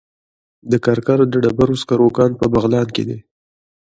د کرکر د ډبرو سکرو کان په بغلان کې دی.